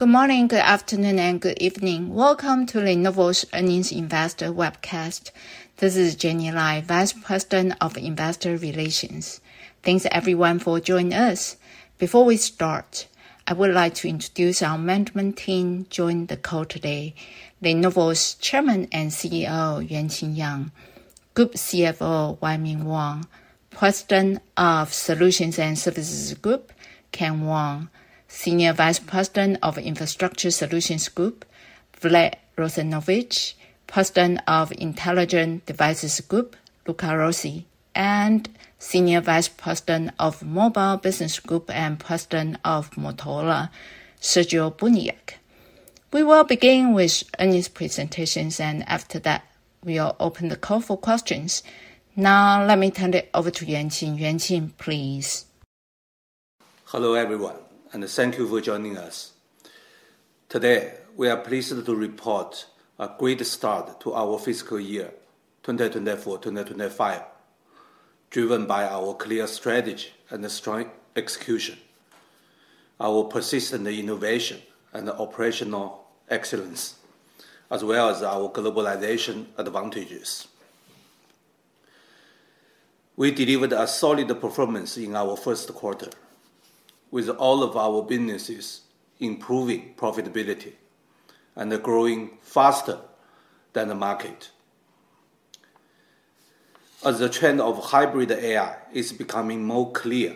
Good morning, good afternoon, and good evening. Welcome to Lenovo's Earnings Investor Webcast. This is Jenny Lai, Vice President of Investor Relations. Thanks everyone for joining us. Before we start, I would like to introduce our management team joining the call today. Lenovo's Chairman and CEO, Yuanqing Yang, Group CFO, Wai Ming Wong, President of Solutions and Services Group, Ken Wong, Senior Vice President of Infrastructure Solutions Group, Vlad Rozanovich, President of Intelligent Devices Group, Luca Rossi, and Senior Vice President of Mobile Business Group and President of Motorola, Sergio Buniac. We will begin with Yuanqing's presentations, and after that, we'll open the call for questions. Now, let me turn it over to Yuanqing. Yuanqing, please. Hello, everyone, and thank you for joining us. Today, we are pleased to report a great start to our fiscal year, 2024-2025, driven by our clear strategy and a strong execution, our persistent innovation and operational excellence, as well as our globalization advantages. We delivered a solid performance in our first quarter, with all of our businesses improving profitability and growing faster than the market. As the trend of hybrid AI is becoming more clear,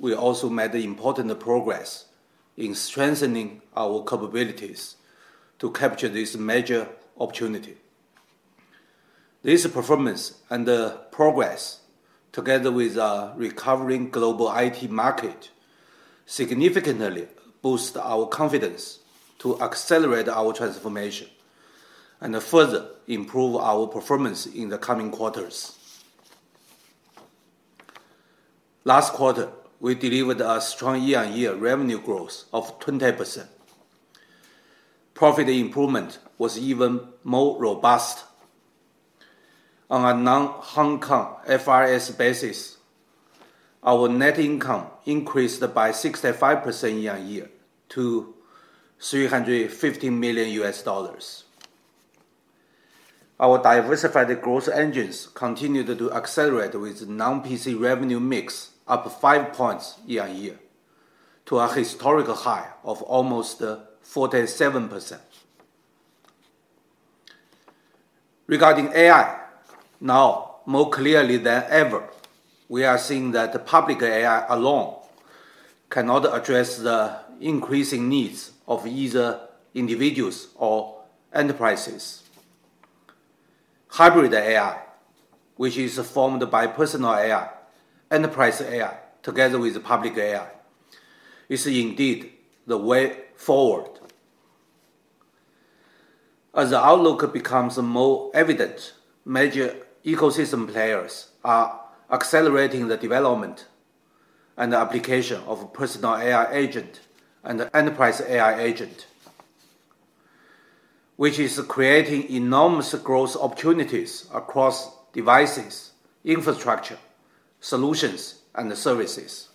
we also made important progress in strengthening our capabilities to capture this major opportunity. This performance and the progress, together with a recovering global IT market, significantly boost our confidence to accelerate our transformation and further improve our performance in the coming quarters. Last quarter, we delivered a strong year-on-year revenue growth of 20%. Profit improvement was even more robust. On a non-HKFRS basis, our net income increased by 65% year-on-year to $350 million. Our diversified growth engines continued to accelerate with non-PC revenue mix up 5 points year-on-year to a historical high of almost 47%. Regarding AI, now, more clearly than ever, we are seeing that the public AI alone cannot address the increasing needs of either individuals or enterprises. Hybrid AI, which is formed by personal AI, enterprise AI, together with public AI, is indeed the way forward. As the outlook becomes more evident, major ecosystem players are accelerating the development and application of personal AI agent and enterprise AI agent, which is creating enormous growth opportunities across devices, infrastructure, solutions, and services.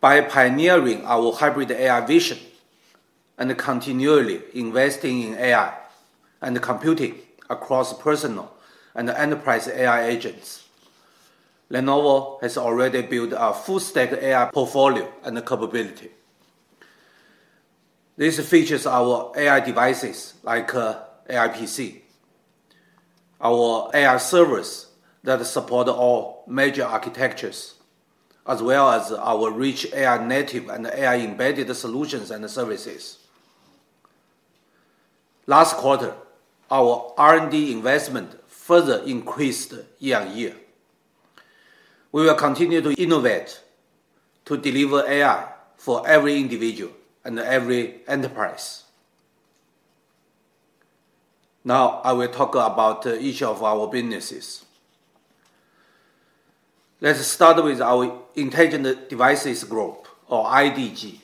By pioneering our Hybrid AI vision and continually investing in AI and computing across personal and enterprise AI agents, Lenovo has already built a full stack AI portfolio and capability. This features our AI devices like, AI PC, our AI servers that support all major architectures, as well as our rich AI-native and AI-embedded solutions and services. Last quarter, our R&D investment further increased year-over-year. We will continue to innovate to deliver AI for every individual and every enterprise. Now, I will talk about each of our businesses. Let's start with our Intelligent Devices Group or IDG.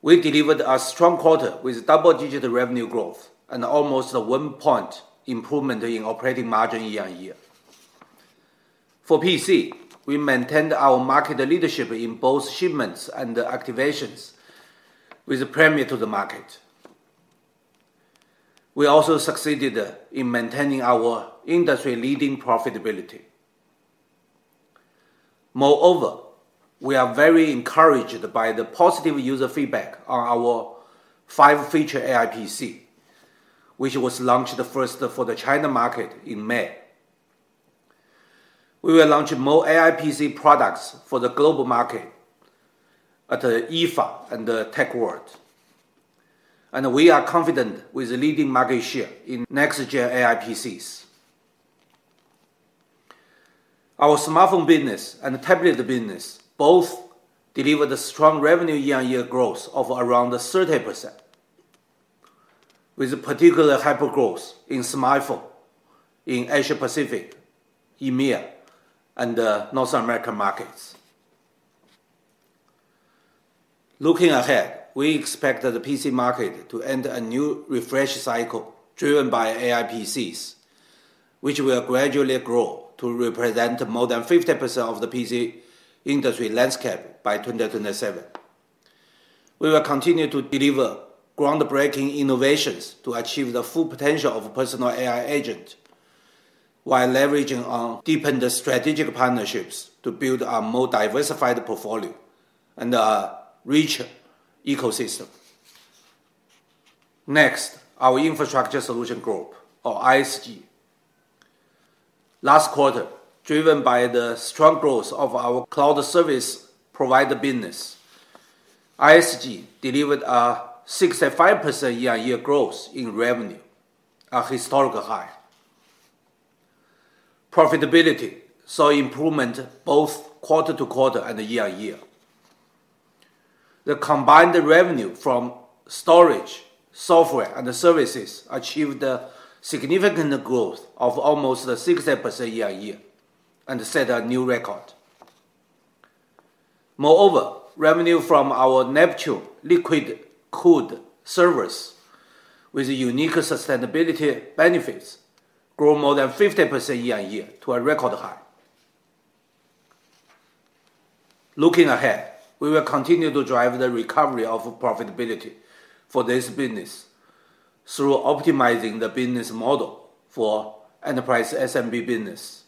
We delivered a strong quarter with double-digit revenue growth and almost a one-point improvement in operating margin year-over-year. For PC, we maintained our market leadership in both shipments and activations with a premium to the market. We also succeeded in maintaining our industry-leading profitability. Moreover, we are very encouraged by the positive user feedback on our five-feature AI PC, which was launched first for the China market in May. We will launch more AI PC products for the global market at IFA and Tech World, and we are confident with the leading market share in next-gen AI PCs. Our smartphone business and tablet business both delivered a strong revenue year-on-year growth of around 30%, with a particular hyper growth in smartphone in Asia Pacific, EMEA, and North American markets. Looking ahead, we expect that the PC market to enter a new refresh cycle driven by AI PCs, which will gradually grow to represent more than 50% of the PC industry landscape by 2027. We will continue to deliver groundbreaking innovations to achieve the full potential of personal AI agent, while leveraging on deepened strategic partnerships to build a more diversified portfolio and a richer ecosystem. Next, our Infrastructure Solution Group or ISG. Last quarter, driven by the strong growth of our cloud service provider business, ISG delivered a 65% year-on-year growth in revenue, a historical high. Profitability saw improvement both quarter-to-quarter and year-on-year. The combined revenue from storage, software, and services achieved a significant growth of almost 60% year-on-year, and set a new record. Moreover, revenue from our Neptune liquid-cooled servers, with unique sustainability benefits, grew more than 50% year-on-year to a record high. Looking ahead, we will continue to drive the recovery of profitability for this business through optimizing the business model for enterprise SMB business,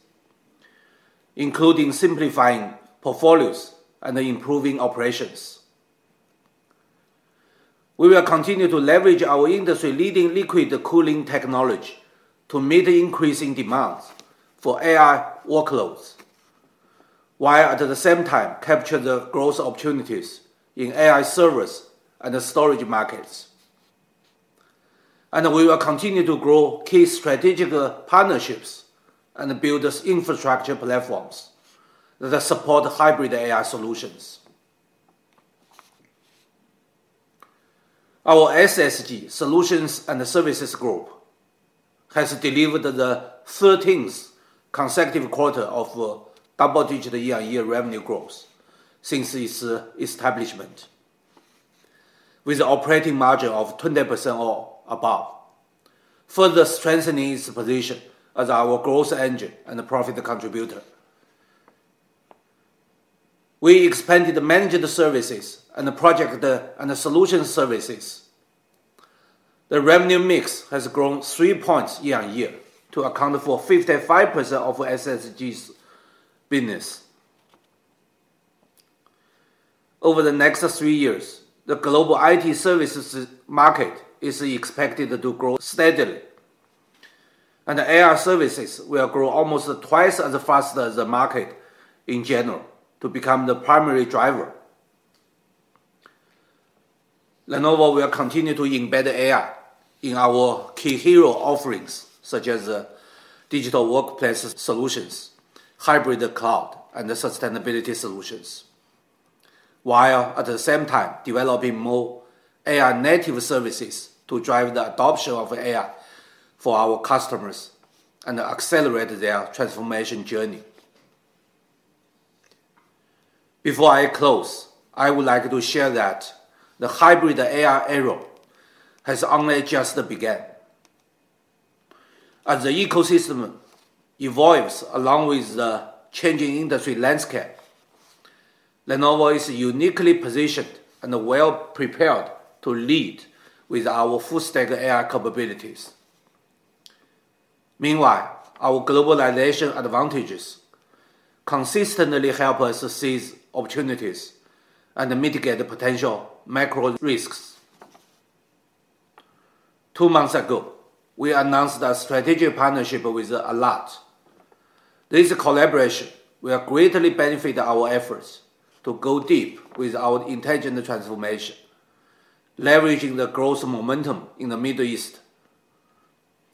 including simplifying portfolios and improving operations. We will continue to leverage our industry-leading liquid cooling technology to meet the increasing demands for AI workloads, while at the same time capture the growth opportunities in AI servers and the storage markets. We will continue to grow key strategic partnerships and build infrastructure platforms that support hybrid AI solutions. Our SSG, Solutions and Services Group, has delivered the 13th consecutive quarter of double-digit year-on-year revenue growth since its establishment, with an operating margin of 20% or above, further strengthening its position as our growth engine and a profit contributor. We expanded managed services and project and solution services. The revenue mix has grown 3 points year-on-year to account for 55% of SSG's business. Over the next three years, the global IT services market is expected to grow steadily, and AI services will grow almost twice as fast as the market in general to become the primary driver. Lenovo will continue to embed AI in our key hero offerings, such as digital workplace solutions, hybrid cloud, and sustainability solutions, while at the same time developing more AI-native services to drive the adoption of AI for our customers and accelerate their transformation journey. Before I close, I would like to share that the hybrid AI era has only just begun. As the ecosystem evolves along with the changing industry landscape, Lenovo is uniquely positioned and well-prepared to lead with our full-stack AI capabilities. Meanwhile, our globalization advantages consistently help us seize opportunities and mitigate potential macro risks. Two months ago, we announced a strategic partnership with Alat. This collaboration will greatly benefit our efforts to go deep with our intelligent transformation, leveraging the growth momentum in the Middle East,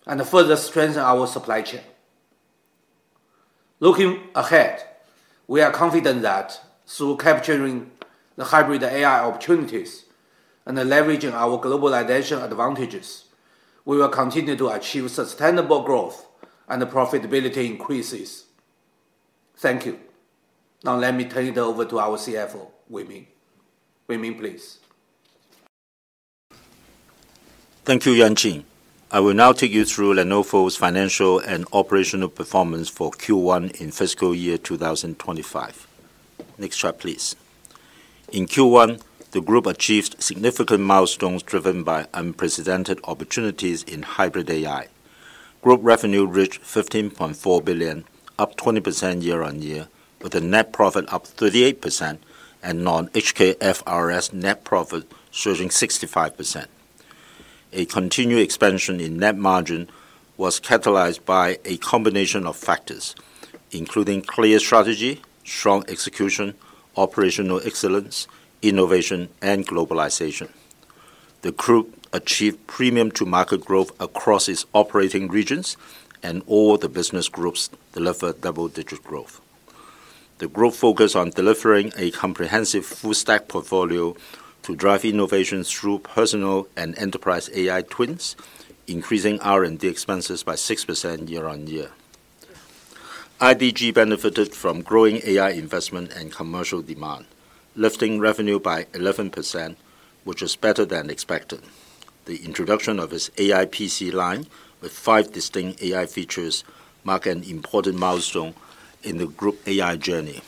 and further strengthen our supply chain. Looking ahead, we are confident that through capturing the hybrid AI opportunities and leveraging our globalization advantages, we will continue to achieve sustainable growth and profitability increases. Thank you. Now, let me turn it over to our CFO, Wai Ming. Wai Ming, please. Thank you, Yuanqing. I will now take you through Lenovo's financial and operational performance for Q1 in fiscal year 2025. Next slide, please. In Q1, the group achieved significant milestones driven by unprecedented opportunities in hybrid AI. Group revenue reached $15.4 billion, up 20% year-on-year, with a net profit up 38% and non-HKFRS net profit surging 65%. A continued expansion in net margin was catalyzed by a combination of factors, including clear strategy, strong execution, operational excellence, innovation, and globalization. The group achieved premium to market growth across its operating regions, and all the business groups delivered double-digit growth. The group focused on delivering a comprehensive full-stack portfolio to drive innovation through personal and enterprise AI twins, increasing R&D expenses by 6% year-on-year. IDG benefited from growing AI investment and commercial demand, lifting revenue by 11%, which is better than expected. The introduction of its AI PC line with five distinct AI features mark an important milestone in the group AI journey.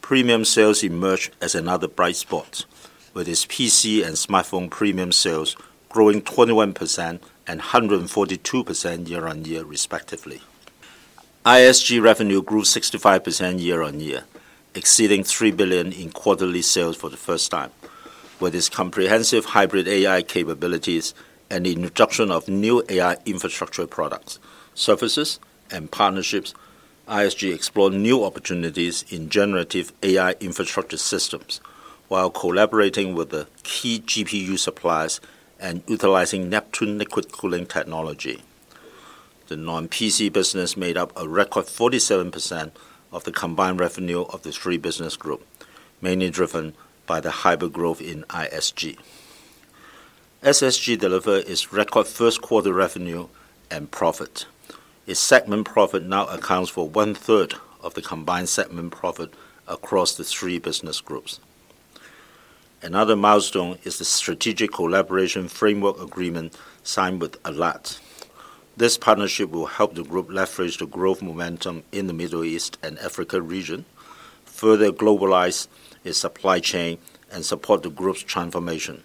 Premium sales emerged as another bright spot, with its PC and smartphone premium sales growing 21% and 142% year-on-year, respectively. ISG revenue grew 65% year-on-year, exceeding $3 billion in quarterly sales for the first time. With its comprehensive hybrid AI capabilities and the introduction of new AI infrastructure products, services, and partnerships, ISG explored new opportunities in generative AI infrastructure systems, while collaborating with the key GPU suppliers and utilizing Neptune liquid cooling technology. The non-PC business made up a record 47% of the combined revenue of the three business group, mainly driven by the hybrid growth in ISG. SSG delivered its record first quarter revenue and profit. Its segment profit now accounts for 1/3 of the combined segment profit across the three business groups. Another milestone is the strategic collaboration framework agreement signed with Alat. This partnership will help the group leverage the growth momentum in the Middle East and Africa region, further globalize its supply chain, and support the group's transformation.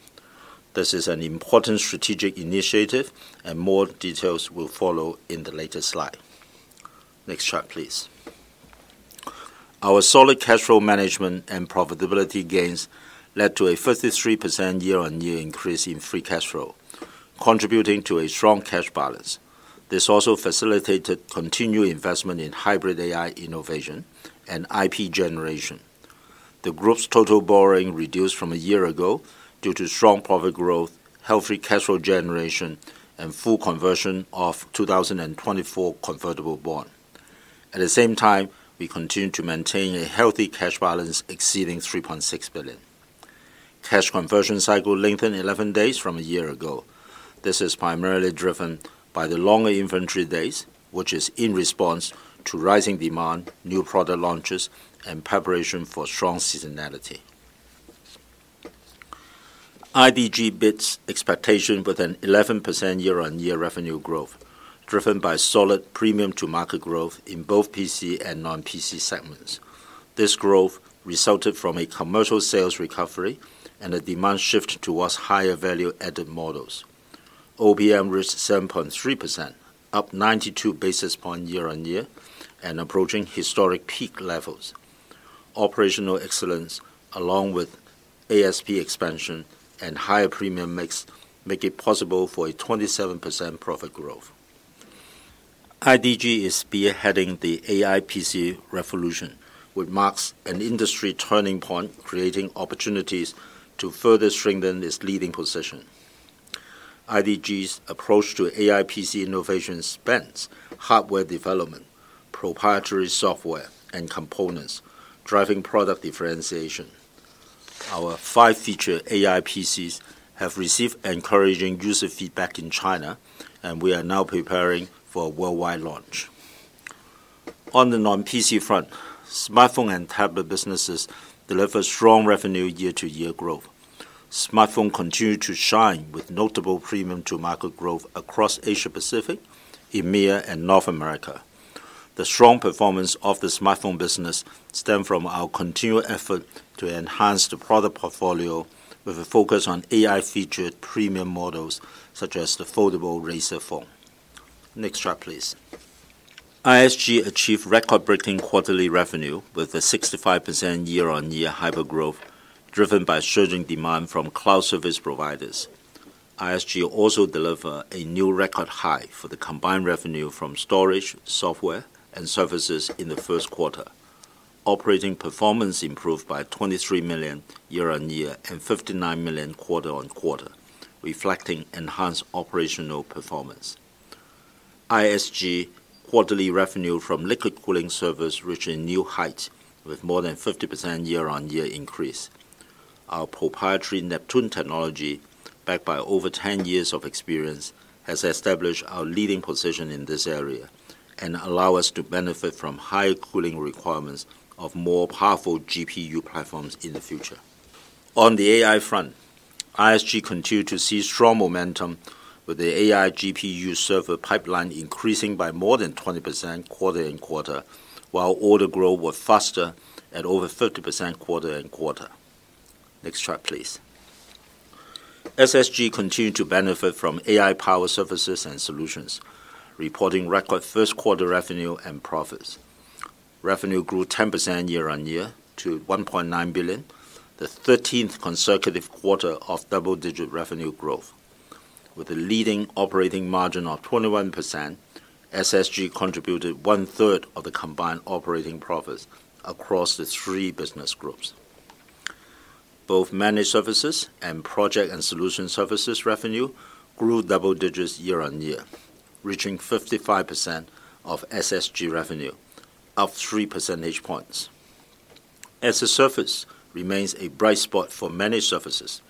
This is an important strategic initiative, and more details will follow in the later slide. Next chart, please. Our solid cash flow management and profitability gains led to a 53% year-on-year increase in free cash flow, contributing to a strong cash balance. This also facilitated continued investment in hybrid AI innovation and IP generation. The group's total borrowing reduced from a year ago due to strong profit growth, healthy cash flow generation, and full conversion of 2024 convertible bond. At the same time, we continue to maintain a healthy cash balance exceeding $3.6 billion. Cash conversion cycle lengthened 11 days from a year ago. This is primarily driven by the longer inventory days, which is in response to rising demand, new product launches, and preparation for strong seasonality. IDG beats expectation with an 11% year-on-year revenue growth, driven by solid premium to market growth in both PC and non-PC segments. This growth resulted from a commercial sales recovery and a demand shift towards higher value-added models. OPM reached 7.3%, up 92 basis points year-on-year, and approaching historic peak levels. Operational excellence, along with ASP expansion and higher premium makes, make it possible for a 27% profit growth. IDG is spearheading the AI PC revolution, which marks an industry turning point, creating opportunities to further strengthen its leading position. IDG's approach to AI PC innovation spans hardware development, proprietary software, and components, driving product differentiation. Our five-feature AI PCs have received encouraging user feedback in China, and we are now preparing for a worldwide launch. On the non-PC front, smartphone and tablet businesses deliver strong revenue year-to-year growth. Smartphone continued to shine with notable premium to market growth across Asia Pacific, EMEA, and North America. The strong performance of the smartphone business stem from our continued effort to enhance the product portfolio, with a focus on AI-featured premium models, such as the foldable Razr phone. Next chart, please. ISG achieved record-breaking quarterly revenue with a 65% year-on-year hypergrowth, driven by surging demand from cloud service providers. ISG also delivered a new record high for the combined revenue from storage, software, and services in the first quarter. Operating performance improved by $23 million year-on-year, and $59 million quarter-on-quarter, reflecting enhanced operational performance. ISG quarterly revenue from liquid cooling servers reached a new height, with more than 50% year-on-year increase. Our proprietary Neptune technology, backed by over 10 years of experience, has established our leading position in this area and allow us to benefit from higher cooling requirements of more powerful GPU platforms in the future. On the AI front, ISG continued to see strong momentum, with the AI GPU server pipeline increasing by more than 20% quarter-on-quarter, while order growth was faster at over 30% quarter-on-quarter. Next chart, please. SSG continued to benefit from AI power services and solutions, reporting record first quarter revenue and profits. Revenue grew 10% year-on-year to $1.9 billion, the 13th consecutive quarter of double-digit revenue growth. With a leading operating margin of 21%, SSG contributed one-third of the combined operating profits across the three business groups. Both managed services and project and solution services revenue grew double digits year-on-year, reaching 55% of SSG revenue, up 3 percentage points. DaaS remains a bright spot for many services.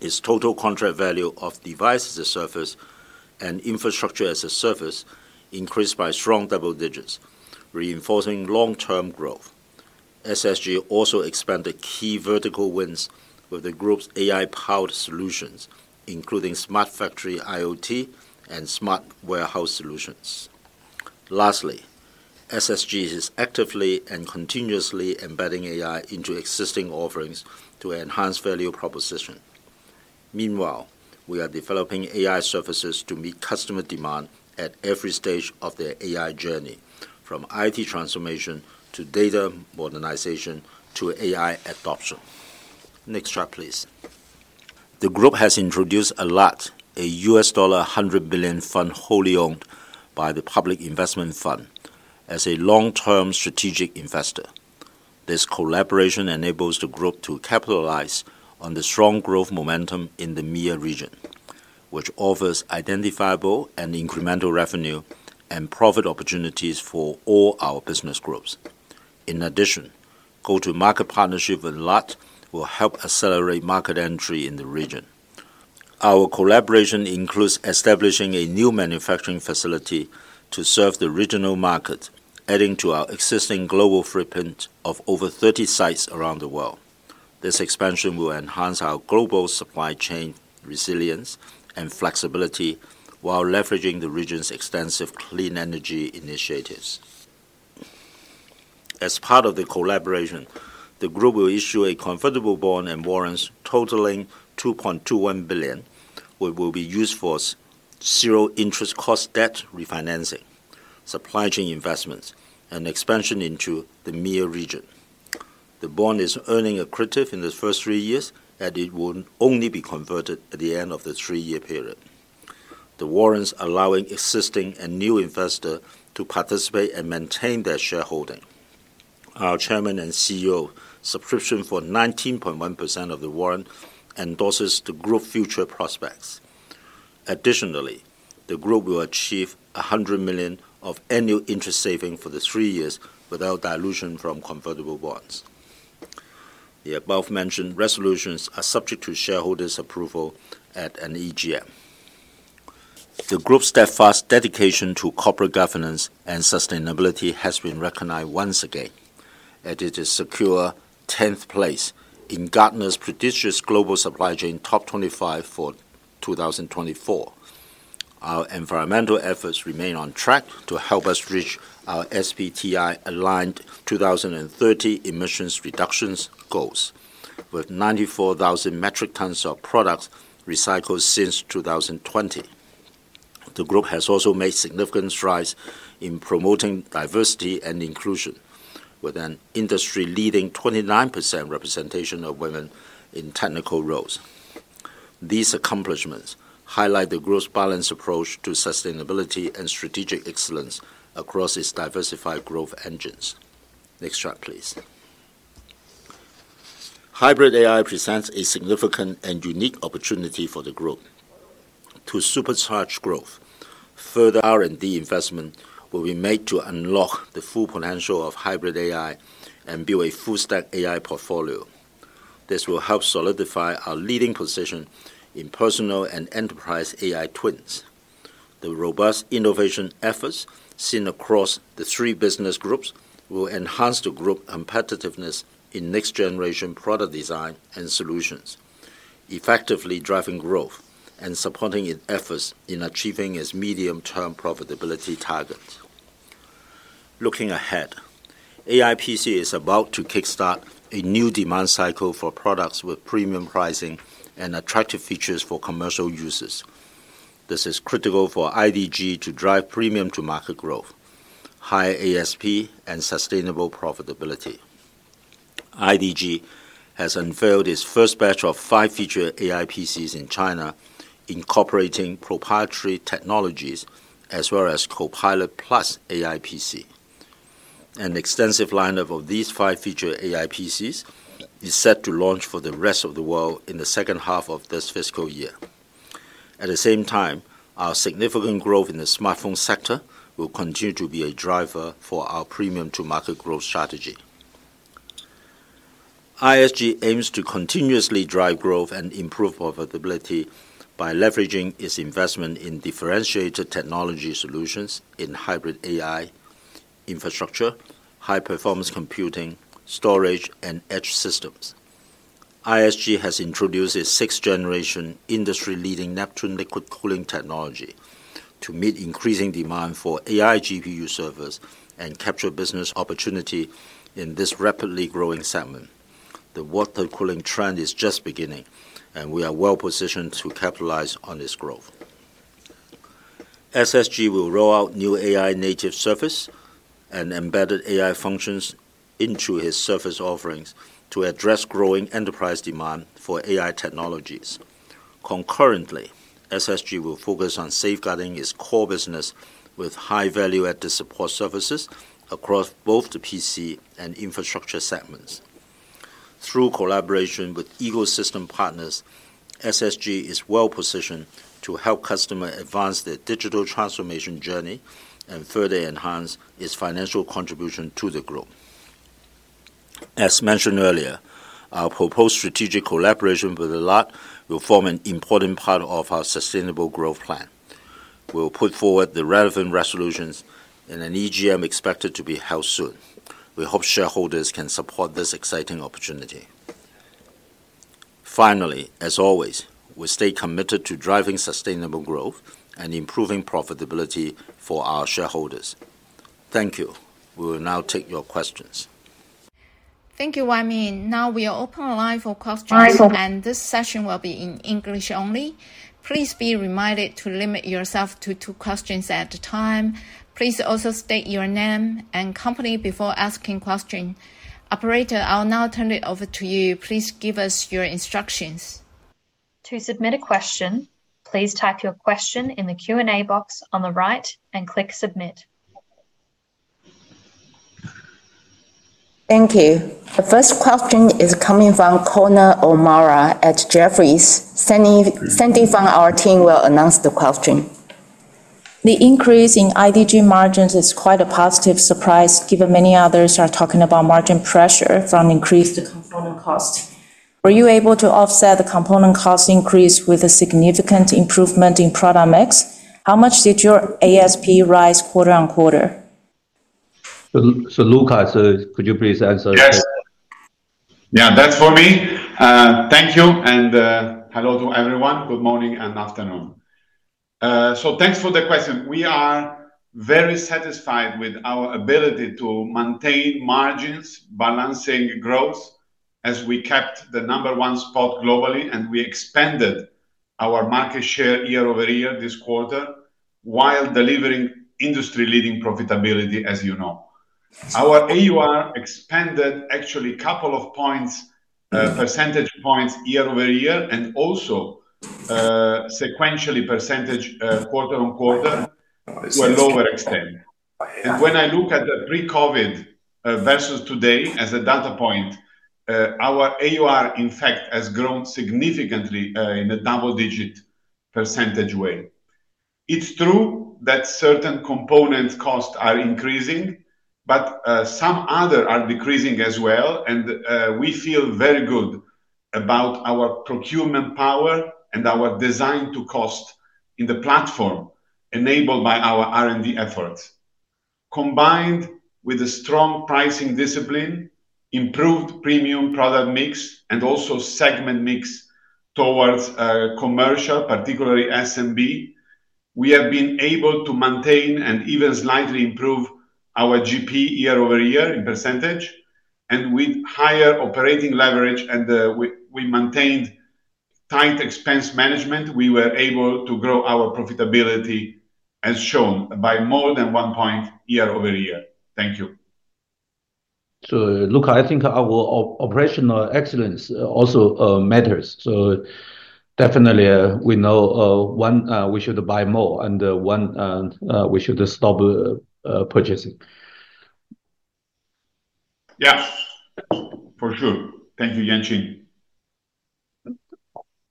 Its total contract value of Device as a Service and Infrastructure as a Service increased by strong double digits, reinforcing long-term growth. SSG also expanded key vertical wins with the group's AI-powered solutions, including smart factory IoT and smart warehouse solutions. Lastly, SSG is actively and continuously embedding AI into existing offerings to enhance value proposition. Meanwhile, we are developing AI services to meet customer demand at every stage of their AI journey, from IT transformation, to data modernization, to AI adoption. Next chart, please. The group has introduced Alat, a $100 billion fund, wholly owned by the Public Investment Fund, as a long-term strategic investor. This collaboration enables the group to capitalize on the strong growth momentum in the MEA region, which offers identifiable and incremental revenue and profit opportunities for all our business groups. In addition, go-to-market partnership with Alat will help accelerate market entry in the region. Our collaboration includes establishing a new manufacturing facility to serve the regional market, adding to our existing global footprint of over 30 sites around the world. This expansion will enhance our global supply chain resilience and flexibility while leveraging the region's extensive clean energy initiatives. As part of the collaboration, the group will issue a convertible bond and warrants totaling $2.21 billion, which will be used for zero-interest cost debt refinancing, supply chain investments, and expansion into the MEA region. The bond is earnings accretive in the first three years, and it will only be converted at the end of the three-year period. The warrants allowing existing and new investor to participate and maintain their shareholding. Our Chairman and CEO subscription for 19.1% of the warrant endorses the group future prospects. Additionally, the group will achieve $100 million of annual interest saving for the three years without dilution from convertible bonds. The above-mentioned resolutions are subject to shareholders' approval at an EGM. The group's steadfast dedication to corporate governance and sustainability has been recognized once again, and it has secure 10th place in Gartner's prestigious Global Supply Chain Top 25 for 2024. Our environmental efforts remain on track to help us reach our SBTi-aligned 2030 emissions reductions goals, with 94,000 metric tons of products recycled since 2020. The group has also made significant strides in promoting diversity and inclusion with an industry-leading 29% representation of women in technical roles. These accomplishments highlight the group's balanced approach to sustainability and strategic excellence across its diversified growth engines. Next chart, please. Hybrid AI presents a significant and unique opportunity for the group. To supercharge growth, further R&D investment will be made to unlock the full potential of hybrid AI and build a full-stack AI portfolio. This will help solidify our leading position in personal and enterprise AI twins. The robust innovation efforts seen across the three business groups will enhance the group competitiveness in next-generation product design and solutions, effectively driving growth and supporting its efforts in achieving its medium-term profitability targets. Looking ahead, AI PC is about to kickstart a new demand cycle for products with premium pricing and attractive features for commercial users. This is critical for IDG to drive premium to market growth, high ASP, and sustainable profitability. IDG has unveiled its first batch of five-feature AI PCs in China, incorporating proprietary technologies as well as Copilot+ AI PC. An extensive lineup of these five feature AI PCs is set to launch for the rest of the world in the second half of this fiscal year. At the same time, our significant growth in the smartphone sector will continue to be a driver for our premium to market growth strategy. ISG aims to continuously drive growth and improve profitability by leveraging its investment in differentiated technology solutions in hybrid AI, infrastructure, high-performance computing, storage, and edge systems. ISG has introduced its sixth-generation industry-leading Neptune liquid cooling technology to meet increasing demand for AI GPU servers and capture business opportunity in this rapidly growing segment. The water cooling trend is just beginning, and we are well positioned to capitalize on this growth. SSG will roll out new AI-native service and embedded AI functions into its service offerings to address growing enterprise demand for AI technologies. Concurrently, SSG will focus on safeguarding its core business with high-value added support services across both the PC and infrastructure segments.... Through collaboration with ecosystem partners, SSG is well-positioned to help customers advance their digital transformation journey and further enhance its financial contribution to the group. As mentioned earlier, our proposed strategic collaboration with Alat will form an important part of our sustainable growth plan. We'll put forward the relevant resolutions in an EGM expected to be held soon. We hope shareholders can support this exciting opportunity. Finally, as always, we stay committed to driving sustainable growth and improving profitability for our shareholders. Thank you. We will now take your questions. Thank you, WaiMing. Now we are open line for questions, and this session will be in English only. Please be reminded to limit yourself to two questions at a time. Please also state your name and company before asking question. Operator, I'll now turn it over to you. Please give us your instructions. To submit a question, please type your question in the Q&A box on the right and click Submit. Thank you. The first question is coming from Conor O'Mara at Jefferies. Sandy, Sandy from our team will announce the question. The increase in IDG margins is quite a positive surprise, given many others are talking about margin pressure from increased component cost. Were you able to offset the component cost increase with a significant improvement in product mix? How much did your ASP rise quarter-on-quarter? So, Luca, could you please answer? Yes. Yeah, that's for me. Thank you, and hello to everyone. Good morning and afternoon. So thanks for the question. We are very satisfied with our ability to maintain margins, balancing growth, as we kept the number one spot globally, and we expanded our market share year-over-year this quarter, while delivering industry-leading profitability, as you know. Our AUR expanded actually couple of points, percentage points year-over-year, and also, sequentially percentage, quarter-on-quarter to a lower extent. And when I look at the pre-COVID, versus today as a data point, our AUR, in fact, has grown significantly, in a double-digit percentage way. It's true that certain component costs are increasing, but, some other are decreasing as well. We feel very good about our procurement power and our design to cost in the platform, enabled by our R&D efforts. Combined with a strong pricing discipline, improved premium product mix, and also segment mix towards commercial, particularly SMB, we have been able to maintain and even slightly improve our GP year-over-year in percentage. With higher operating leverage and we maintained tight expense management, we were able to grow our profitability as shown by more than 1 point year-over-year. Thank you. So Luca, I think our operational excellence also matters, so definitely we know when we should buy more and when we should stop purchasing. Yeah, for sure. Thank you, Yuanqing.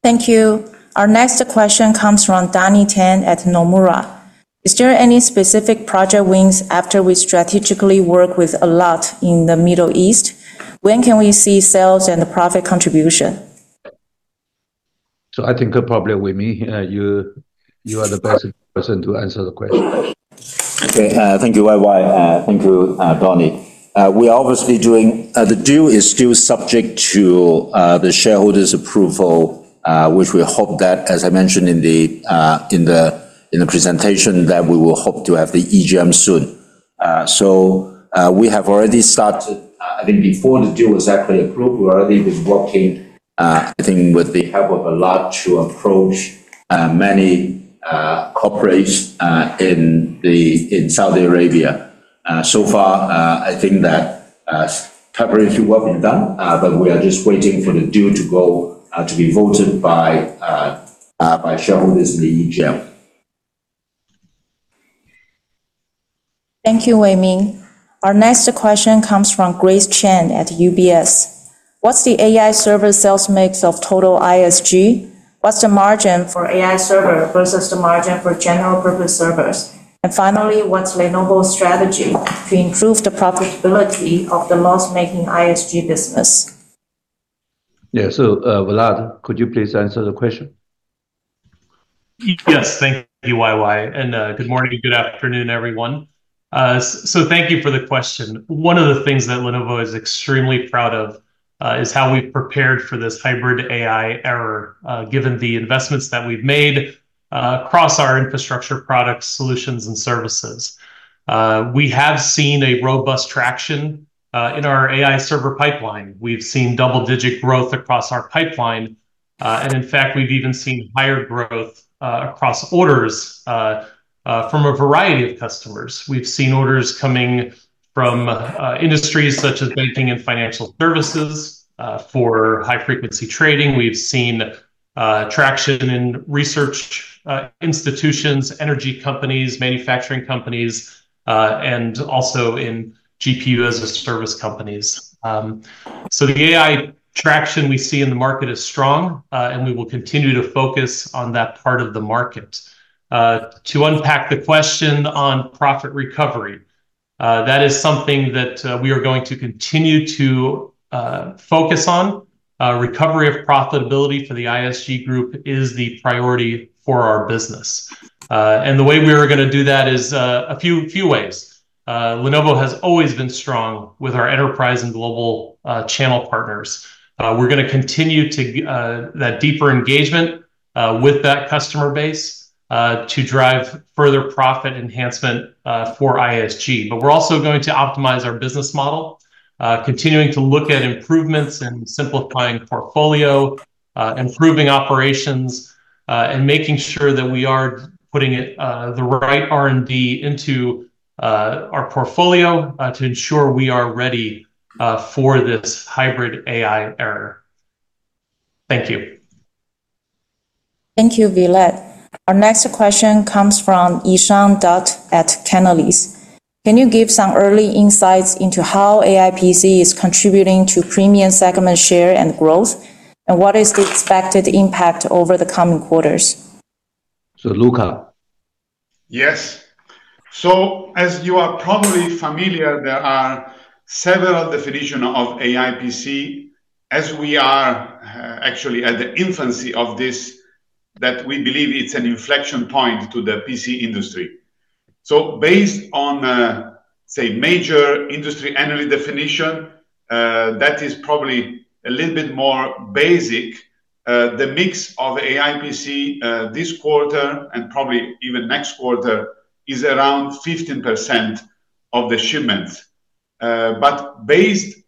Thank you. Our next question comes from Donnie Teng at Nomura. Is there any specific project wins after we strategically work with Alat in the Middle East? When can we see sales and the profit contribution? So I think probably with me, you are the best person to answer the question. Okay, thank you, YY. Thank you, Donnie. We are obviously doing. The deal is still subject to the shareholders' approval, which we hope that, as I mentioned in the presentation, that we will hope to have the EGM soon. So, we have already started, I think before the deal was actually approved, we've already been working, I think with the help of Alat, to approach many corporates in Saudi Arabia. So far, I think that preparatory work been done, but we are just waiting for the deal to go to be voted by shareholders in the EGM. Thank you, WaiMing. Our next question comes from Grace Chen at UBS. What's the AI server sales mix of total ISG? What's the margin for AI server versus the margin for general purpose servers? And finally, what's Lenovo's strategy to improve the profitability of the loss-making ISG business? Yeah. So, Vlad, could you please answer the question? Yes. Thank you, YY, and good morning, good afternoon, everyone. Thank you for the question. One of the things that Lenovo is extremely proud of is how we've prepared for this hybrid AI era, given the investments that we've made across our infrastructure products, solutions and services. We have seen a robust traction in our AI server pipeline. We've seen double-digit growth across our pipeline. In fact, we've even seen higher growth across orders from a variety of customers. We've seen orders coming from industries such as banking and financial services for high-frequency trading. We've seen traction in research institutions, energy companies, manufacturing companies, and also in GPU-as-a-service companies. So the AI traction we see in the market is strong, and we will continue to focus on that part of the market. To unpack the question on profit recovery, that is something that we are going to continue to focus on. Recovery of profitability for the ISG group is the priority for our business. And the way we are going to do that is a few ways. Lenovo has always been strong with our enterprise and global channel partners. We're going to continue to that deeper engagement with that customer base to drive further profit enhancement for ISG. But we're also going to optimize our business model, continuing to look at improvements in simplifying portfolio, improving operations, and making sure that we are putting it, the right R&D into, our portfolio, to ensure we are ready, for this hybrid AI era. Thank you. Thank you, Vlad. Our next question comes from Ishan Dutt at Canalys. Can you give some early insights into how AI PC is contributing to premium segment share and growth, and what is the expected impact over the coming quarters? So, Luca? Yes. So as you are probably familiar, there are several definition of AI PC, as we are actually at the infancy of this, that we believe it's an inflection point to the PC industry. So based on, say, major industry analyst definition, that is probably a little bit more basic, the mix of AI PC this quarter and probably even next quarter, is around 15% of the shipments. But based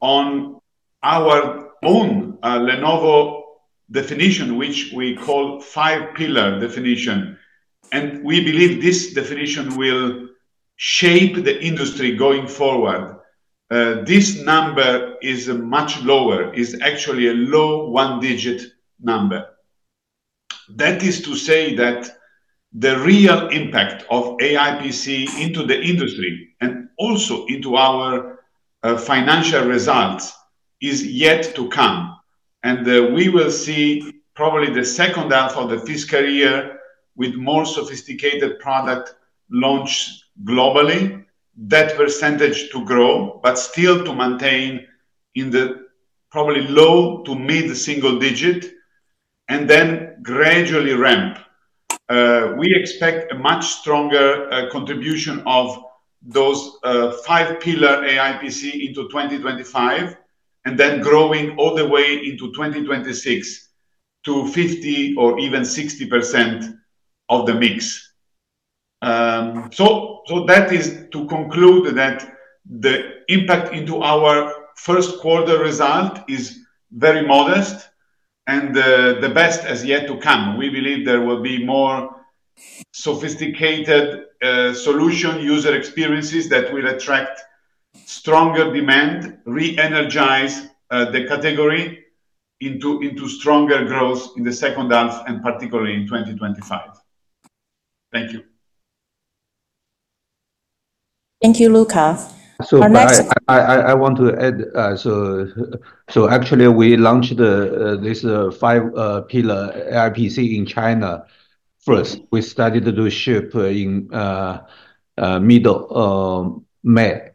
on our own Lenovo definition, which we call Five-pillar definition, and we believe this definition will shape the industry going forward, this number is much lower, is actually a low one-digit number. That is to say that the real impact of AI PC into the industry, and also into our financial results, is yet to come, and we will see probably the second half of the fiscal year with more sophisticated product launch globally, that percentage to grow, but still to maintain in the probably low- to mid-single-digit, and then gradually ramp. We expect a much stronger contribution of those five-pillar AI PC into 2025, and then growing all the way into 2026, to 50% or even 60% of the mix. So, so that is to conclude that the impact into our first-quarter result is very modest, and the best is yet to come. We believe there will be more sophisticated, solution user experiences that will attract stronger demand, re-energize, the category into stronger growth in the second half, and particularly in 2025. Thank you. Thank you, Luca. Our next- So I want to add, so actually, we launched this Five-pillar AI PC in China first. We started to do ship in middle of May.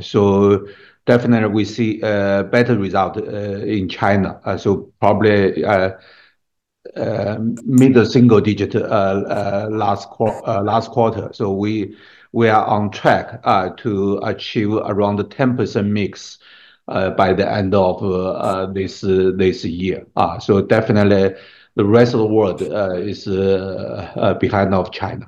So definitely we see better result in China. So probably mid-single digit last quarter. So we are on track to achieve around the 10% mix by the end of this year. So definitely the rest of the world is behind of China.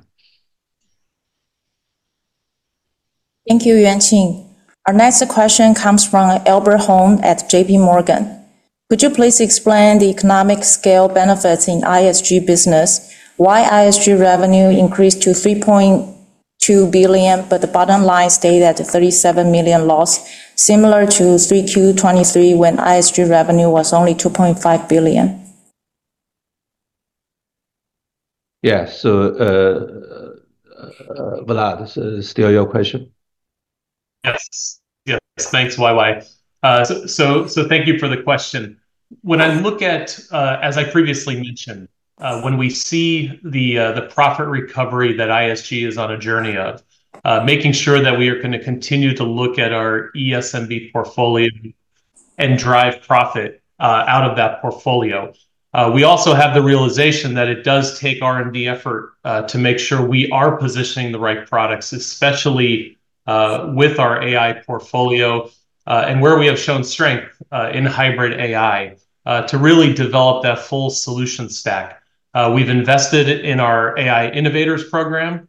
Thank you, Yuanqing. Our next question comes from Albert Hung at JPMorgan. Could you please explain the economic scale benefits in ISG business? Why ISG revenue increased to $3.2 billion, but the bottom line stayed at the $37 million loss, similar to 3Q 2023, when ISG revenue was only $2.5 billion? Yeah. So, Vlad, is still your question? Yes. Yes, thanks, YY. So, thank you for the question. When I look at, as I previously mentioned, when we see the profit recovery that ISG is on a journey of making sure that we are going to continue to look at our ESMB portfolio and drive profit out of that portfolio. We also have the realization that it does take R&D effort to make sure we are positioning the right products, especially with our AI portfolio, and where we have shown strength in hybrid AI to really develop that full solution stack. We've invested in our AI Innovators program,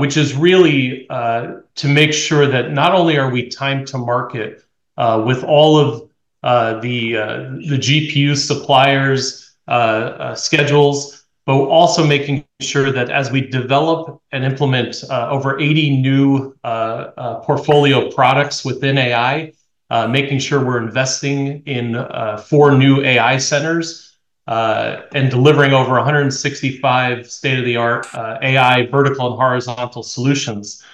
which is really to make sure that not only are we time to market with all of the the GPU suppliers schedules, but also making sure that as we develop and implement over 80 new portfolio products within AI, making sure we're investing in four new AI centers and delivering over 165 state-of-the-art AI vertical and horizontal solutions.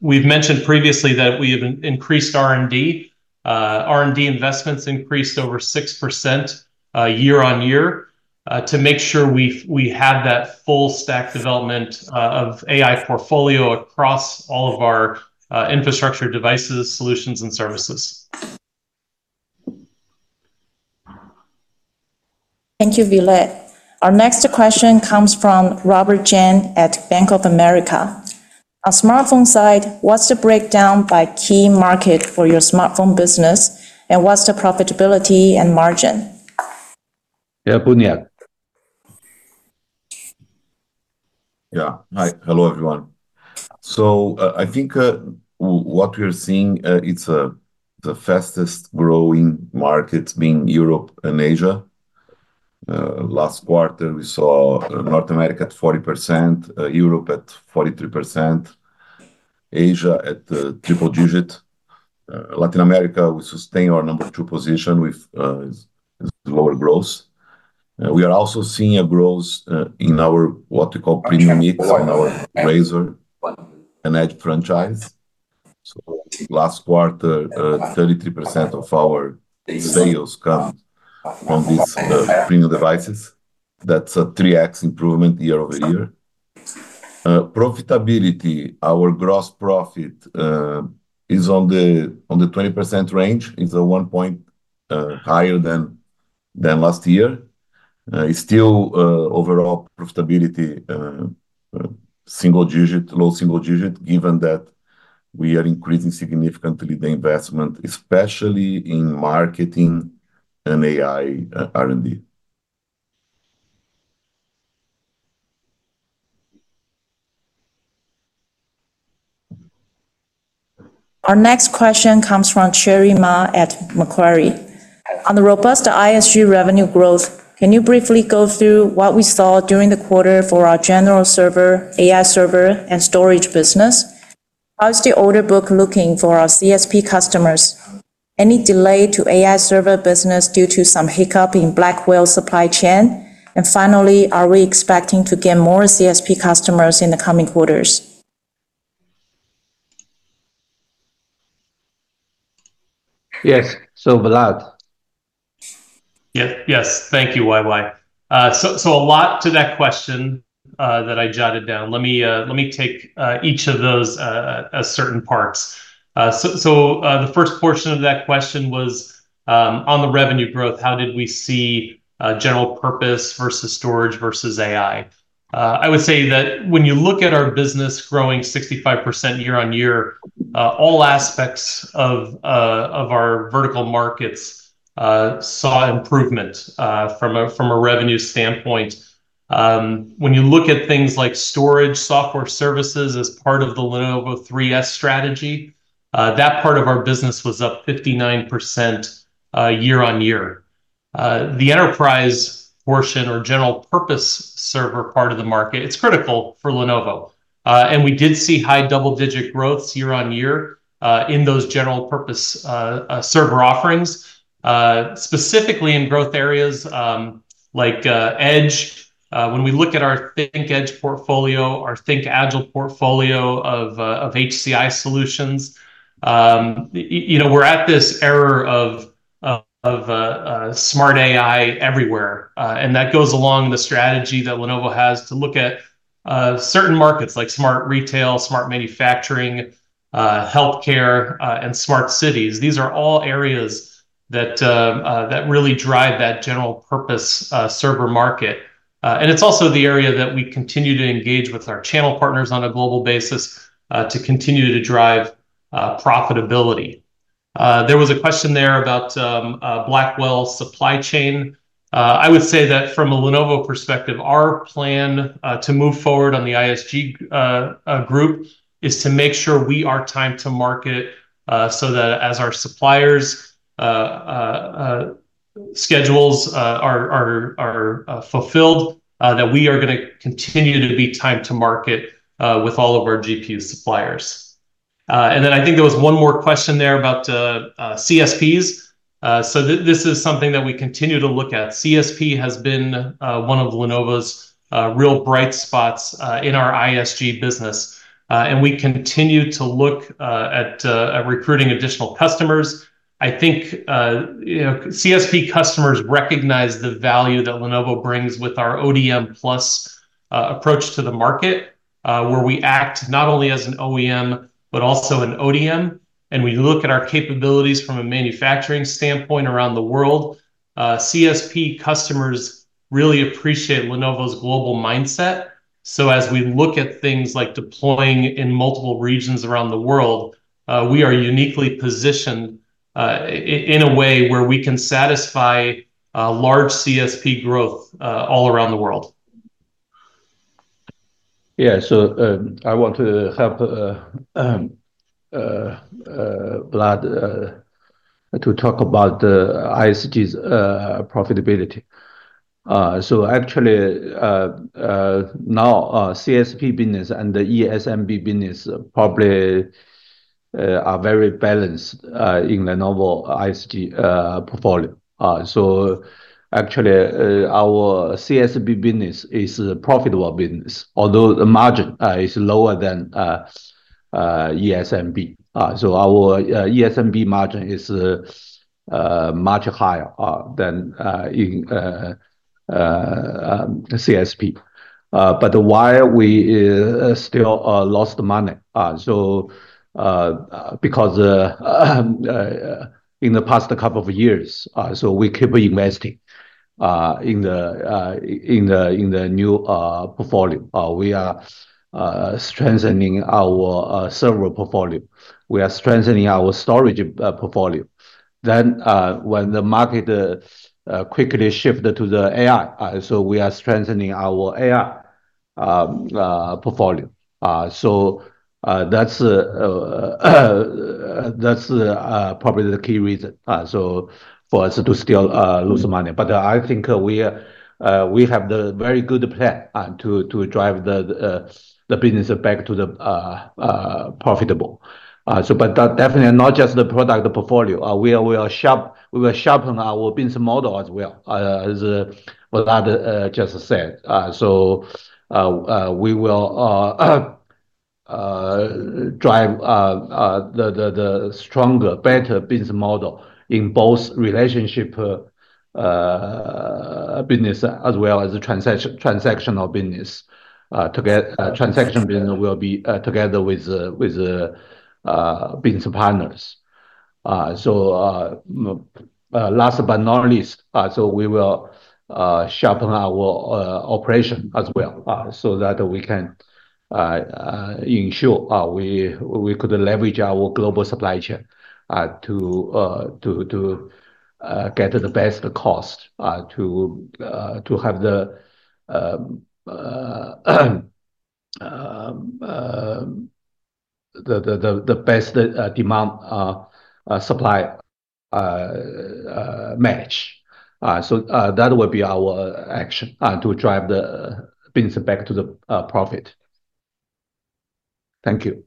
We've mentioned previously that we have increased R&D. R&D investments increased over 6%, year-on-year, to make sure we had that full stack development of AI portfolio across all of our infrastructure devices, solutions, and services. Thank you, Vlad. Our next question comes from Robert Cheng at Bank of America. On smartphone side, what's the breakdown by key market for your smartphone business, and what's the profitability and margin? Yeah, Buniac. Yeah. Hi. Hello, everyone. So, I think what we're seeing, it's the fastest growing markets being Europe and Asia. Last quarter, we saw North America at 40%, Europe at 43%, Asia at triple-digit. Latin America, we sustain our number two position with lower growth. We are also seeing a growth in our what we call premium units on our Razr and Edge franchise. So last quarter, 33% of our sales come from these premium devices. That's a 3x improvement year-over-year. Profitability, our gross profit is on the 20% range. It's 1 point higher than last year. It's still overall profitability, single digit, low single digit, given that we are increasing significantly the investment, especially in marketing and AI R&D. Our next question comes from Cherry Ma at Macquarie. On the robust ISG revenue growth, can you briefly go through what we saw during the quarter for our general server, AI server, and storage business? How is the order book looking for our CSP customers? Any delay to AI server business due to some hiccup in Blackwell supply chain? And finally, are we expecting to get more CSP customers in the coming quarters? Yes. So, Vlad? Yes. Thank you, YY. So, a lot to that question that I jotted down. Let me take each of those as certain parts. So, the first portion of that question was on the revenue growth, how did we see general purpose versus storage versus AI? I would say that when you look at our business growing 65% year-on-year, all aspects of our vertical markets saw improvement from a revenue standpoint. When you look at things like storage, software services as part of the Lenovo 3S strategy, that part of our business was up 59% year-on-year. The enterprise portion or general purpose server part of the market, it's critical for Lenovo. We did see high double-digit growth year-on-year in those general-purpose server offerings, specifically in growth areas like Edge. When we look at our ThinkEdge portfolio, our ThinkAgile portfolio of HCI solutions, you know, we're at this era of smart AI everywhere. And that goes along the strategy that Lenovo has to look at certain markets, like smart retail, smart manufacturing, healthcare, and smart cities. These are all areas that really drive that general-purpose server market. And it's also the area that we continue to engage with our channel partners on a global basis to continue to drive profitability. There was a question there about Blackwell supply chain. I would say that from a Lenovo perspective, our plan to move forward on the ISG group is to make sure we are time to market, so that as our suppliers schedules are fulfilled, that we are gonna continue to be time to market with all of our GPU suppliers. And then I think there was one more question there about CSPs. So this is something that we continue to look at. CSP has been one of Lenovo's real bright spots in our ISG business, and we continue to look at recruiting additional customers. I think, you know, CSP customers recognize the value that Lenovo brings with our ODM+ approach to the market, where we act not only as an OEM, but also an ODM, and we look at our capabilities from a manufacturing standpoint around the world. CSP customers really appreciate Lenovo's global mindset. So as we look at things like deploying in multiple regions around the world, we are uniquely positioned in a way where we can satisfy large CSP growth all around the world. Yeah. So, I want to help Vlad to talk about the ISG's profitability. So actually, now, CSP business and the ESMB business are very balanced in the Lenovo ISG portfolio. So actually, our CSP business is a profitable business, although the margin is lower than ESMB. So our ESMB margin is much higher than in CSP. But why we still lost money? So, because in the past couple of years, so we keep investing in the in the in the new portfolio. We are strengthening our server portfolio. We are strengthening our storage portfolio. Then, when the market quickly shifted to the AI, so we are strengthening our AI portfolio. So, that's probably the key reason so for us to still lose money. But I think we are, we have the very good plan to drive the business back to the profitable. So but that definitely not just the product portfolio. We are, we are sharp, we will sharpen our business model as well, as what I just said. So, we will drive the stronger, better business model in both relationship business, as well as the transactional business. To get transaction business will be together with the business partners. So, last but not least, so we will sharpen our operation as well, so that we can ensure we could leverage our global supply chain, to get the best cost, to have the best demand supply match. So, that would be our action, to drive the business back to the profit. Thank you.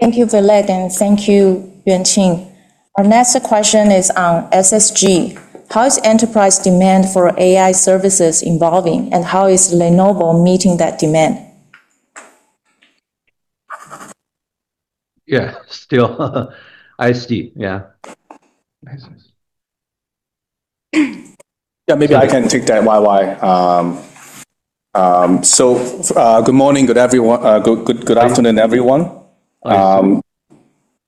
Thank you, Vlad, and thank you, Yuanqing. Our next question is on SSG. How is enterprise demand for AI services evolving, and how is Lenovo meeting that demand? Yeah, still, SSG. Yeah. Yeah, maybe I can take that, YY. Good morning, everyone. Good afternoon, everyone.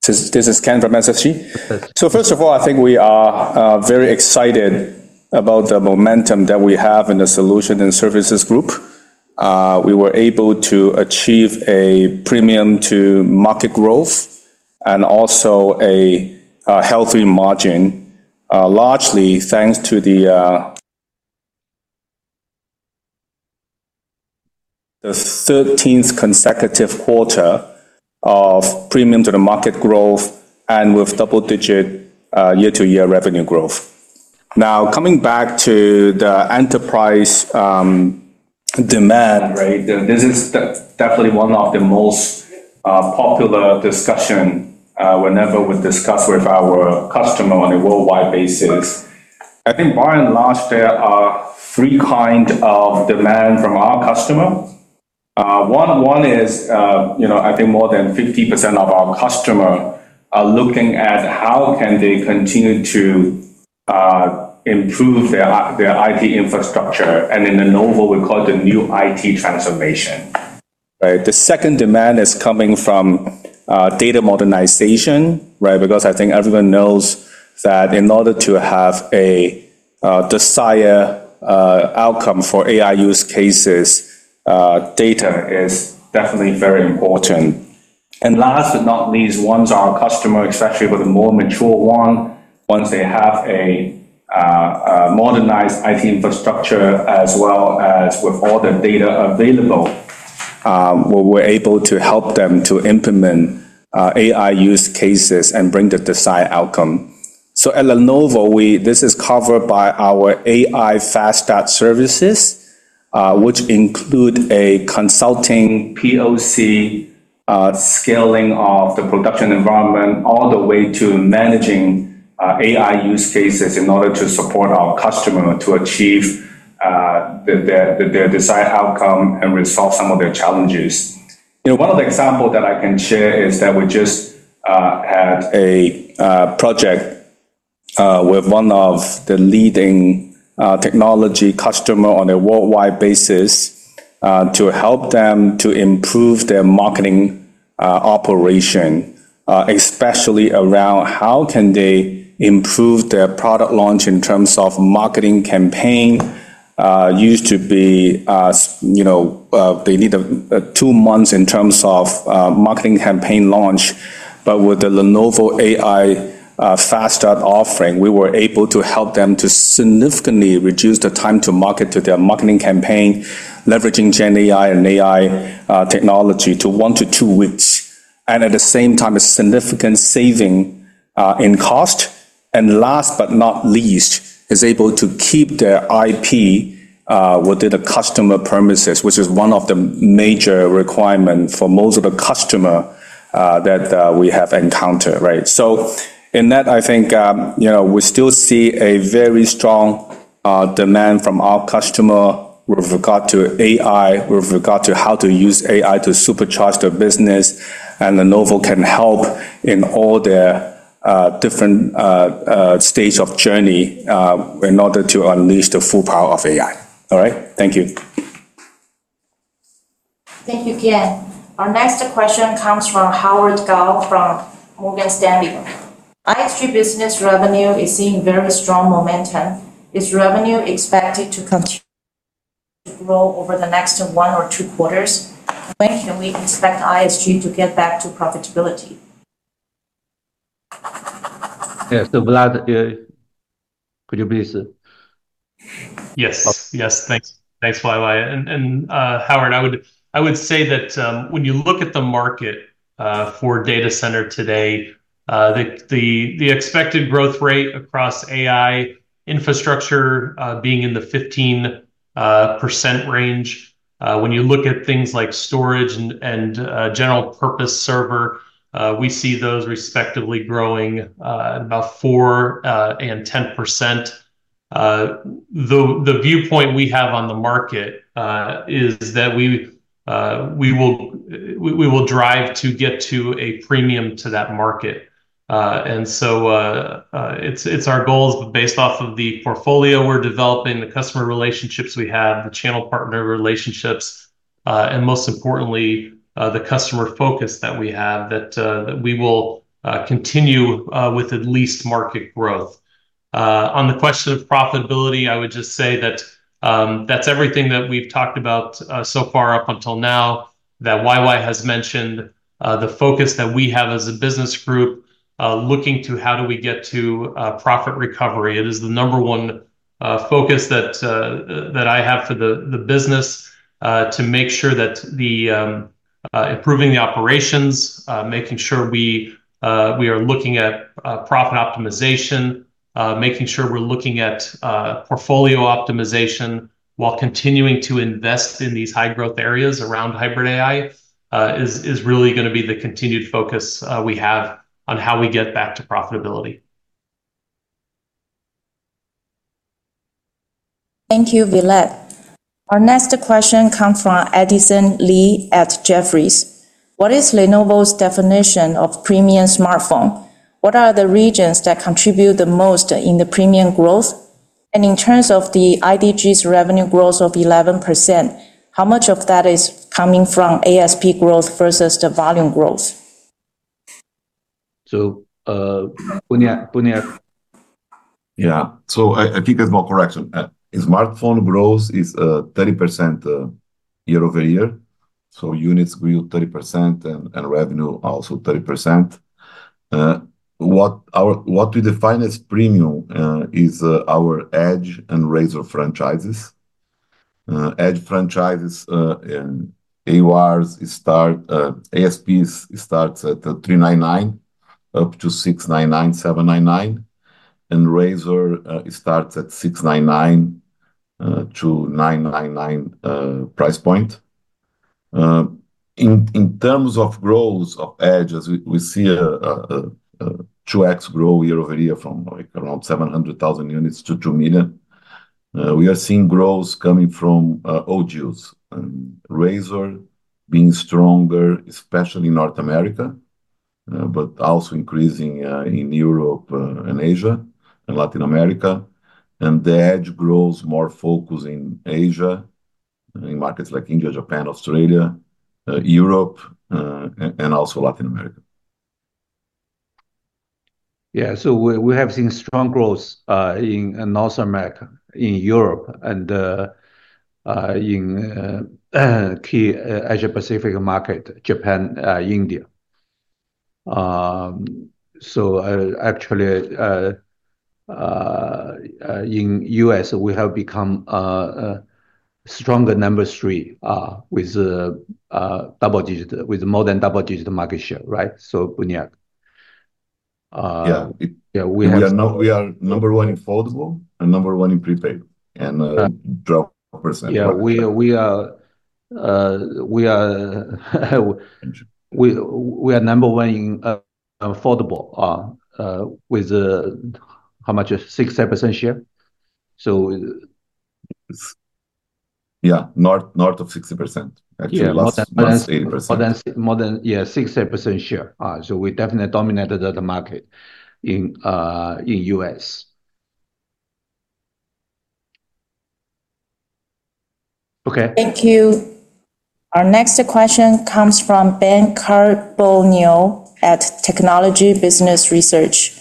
This is Ken from SSG. So first of all, I think we are very excited about the momentum that we have in the Solution and Services Group. We were able to achieve a premium to market growth and also a healthy margin, largely thanks to the 13th consecutive quarter of premium to the market growth and with double-digit year-to-year revenue growth. Now, coming back to the enterprise demand, right? This is definitely one of the most popular discussion whenever we discuss with our customer on a worldwide basis. I think by and large, there are three kind of demand from our customer. One is, you know, I think more than 50% of our customer are looking at how can they continue to improve their IT infrastructure, and in Lenovo, we call it the New IT transformation, right? The second demand is coming from data modernization, right? Because I think everyone knows that in order to have a desired outcome for AI use cases, data is definitely very important. And last but not least, once our customer, especially with a more mature one, once they have a modernized IT infrastructure, as well as with all the data available, we're able to help them to implement AI use cases and bring the desired outcome. So at Lenovo, we... This is covered by our AI Fast Start services, which include a consulting POC, scaling of the production environment, all the way to managing AI use cases in order to support our customer to achieve their desired outcome and resolve some of their challenges. You know, one of the example that I can share is that we just had a project with one of the leading technology customer on a worldwide basis to help them to improve their marketing operation, especially around how can they improve their product launch in terms of marketing campaign. Used to be, you know, they need two months in terms of marketing campaign launch, but with the Lenovo AI Fast Start offering, we were able to help them to significantly reduce the time to market to their marketing campaign, leveraging GenAI and AI technology to one to two weeks, and at the same time, a significant saving- in cost, and last but not least, is able to keep their IP within the customer premises, which is one of the major requirement for most of the customer that we have encountered, right? So in that, I think, you know, we still see a very strong demand from our customer with regard to AI, with regard to how to use AI to supercharge their business, and Lenovo can help in all their different stages of journey in order to unleash the full power of AI. All right? Thank you. Thank you, Ken. Our next question comes from Howard Kao from Morgan Stanley. ISG business revenue is seeing very strong momentum. Is revenue expected to continue to grow over the next one or two quarters? When can we expect ISG to get back to profitability? Yes, so Vlad, could you please? Yes. Yes, thanks. Thanks, YY. And, Howard, I would say that, when you look at the market, for data center today, the expected growth rate across AI infrastructure, being in the 15% range, when you look at things like storage and general purpose server, we see those respectively growing, about 4% and 10%. The viewpoint we have on the market, is that we will drive to get to a premium to that market. And so, it's our goals based off of the portfolio we're developing, the customer relationships we have, the channel partner relationships, and most importantly, the customer focus that we have, that we will continue with at least market growth. On the question of profitability, I would just say that, that's everything that we've talked about, so far up until now, that YY has mentioned, the focus that we have as a business group, looking to how do we get to, profit recovery. It is the number one focus that I have for the business, to make sure that the improving the operations, making sure we are looking at profit optimization, making sure we're looking at portfolio optimization while continuing to invest in these high growth areas around hybrid AI, is really gonna be the continued focus we have on how we get back to profitability. Thank you, Vlad. Our next question comes from Edison Lee at Jefferies. What is Lenovo's definition of premium smartphone? What are the regions that contribute the most in the premium growth? And in terms of the IDG's revenue growth of 11%, how much of that is coming from ASP growth versus the volume growth? So, Buniac, Buniac. Yeah. So I think there's more correction. Smartphone growth is 30% year-over-year, so units grew 30% and revenue also 30%. What we define as premium is our Edge and Razr franchises. Edge franchises, and ASPs start, ASPs starts at $399 up to $699, $799, and Razr starts at $699 to $999 price point. In terms of growth of Edge, as we see a 2x growth year-over-year from, like, around 700,000 units to 2 million. We are seeing growth coming from all geos, and Razr being stronger, especially in North America, but also increasing in Europe, and Asia and Latin America. The Edge grows more focus in Asia, in markets like India, Japan, Australia, Europe, and also Latin America. Yeah. So we have seen strong growth in North America, in Europe, and in key Asia Pacific market, Japan, India. So actually, in U.S., we have become a stronger number three with more than double digit market share, right? So Buniac. Yeah. Yeah, we have- We are number one in foldable and number one in prepaid, and drop percent. Yeah, we are number one in foldable with how much? 6%-7% share. So... Yeah, north, north of 60%. Actually, last 8%. More than, yeah, 60% share. So we definitely dominated the market in U.S. Okay. Thank you. Our next question comes from Ben Carbonell at Technology Business Research.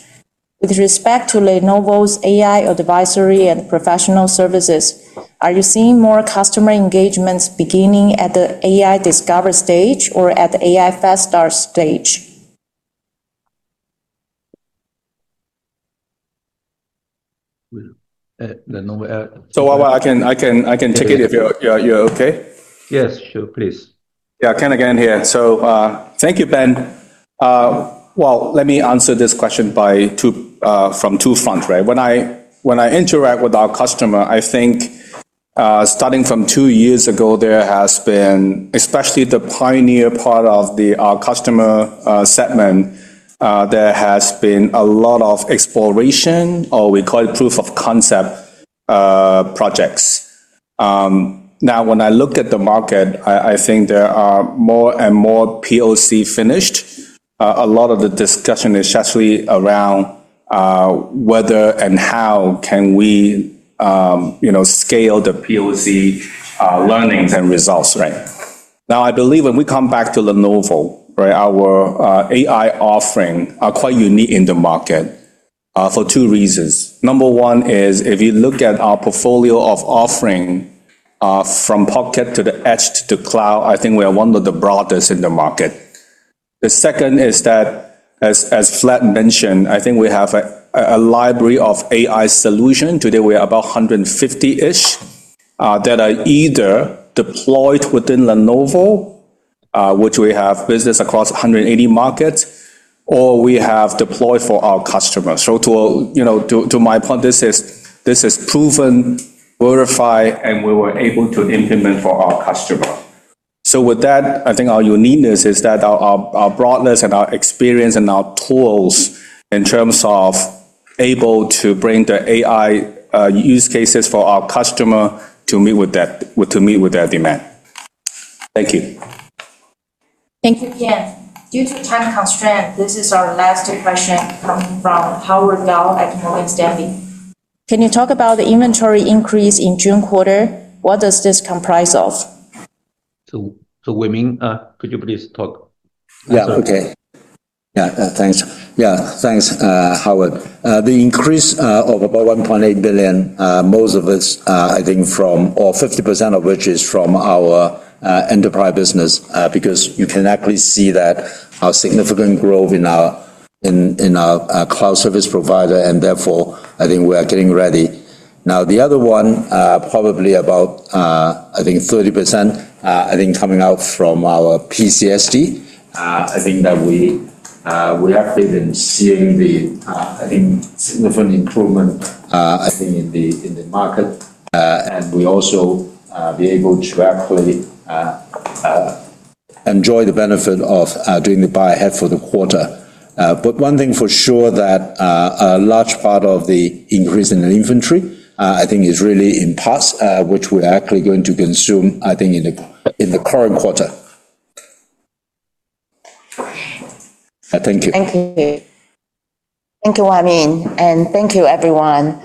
With respect to Lenovo's AI advisory and professional services, are you seeing more customer engagements beginning at the AI discover stage or at the AI Fast Start stage? Will, the Lenovo... So while I can take it if you're okay? Yes, sure, please. Yeah, Ken again here. So, thank you, Ben. Well, let me answer this question by two, from two fronts, right? When I, when I interact with our customer, I think, starting from two years ago, there has been, especially the pioneer part of the, our customer, segment, there has been a lot of exploration, or we call it proof of concept, projects. Now, when I look at the market, I, I think there are more and more POC finished. A lot of the discussion is actually around, whether and how can we, you know, scale the POC, learnings and results, right? Now, I believe when we come back to Lenovo, right, our, AI offering are quite unique in the market, for two reasons. Number one is, if you look at our portfolio of offering, from pocket to the edge to cloud, I think we are one of the broadest in the market. The second is that, as Vlad mentioned, I think we have a library of AI solution. Today, we are about 150-ish that are either deployed within Lenovo, which we have business across 180 markets, or we have deployed for our customers. So to my point, you know, this is proven, verified, and we were able to implement for our customer. So with that, I think our uniqueness is that our broadness and our experience and our tools in terms of able to bring the AI use cases for our customer to meet with that, to meet with their demand. Thank you. Thank you, Ken. Due to time constraint, this is our last question coming from Howard Kao at Morgan Stanley. "Can you talk about the inventory increase in June quarter? What does this comprise of? So, Huamin, could you please talk? Yeah, okay. Yeah, thanks. Yeah, thanks, Howard. The increase of about $1.8 billion, most of it, I think from... or 50% of which is from our enterprise business, because you can actually see that our significant growth in our cloud service provider, and therefore, I think we are getting ready. Now, the other one, probably about, I think 30%, I think coming out from our PCSD. I think that we have been seeing the significant improvement, I think in the market, and we also be able to actually enjoy the benefit of doing the buy ahead for the quarter. But one thing for sure, that a large part of the increase in the inventory, I think, is really in parts, which we're actually going to consume, I think, in the current quarter. Thank you. Thank you. Thank you, Huamin, and thank you, everyone.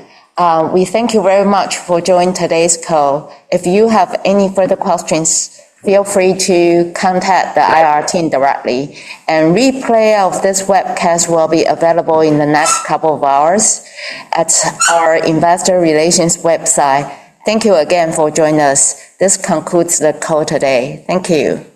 We thank you very much for joining today's call. If you have any further questions, feel free to contact the IR team directly. Replay of this webcast will be available in the next couple of hours at our investor relations website. Thank you again for joining us. This concludes the call today. Thank you.